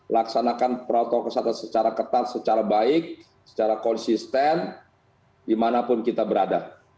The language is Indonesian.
laksanakan protokol kesehatan secara ketat secara baik secara konsisten dimanapun kita berada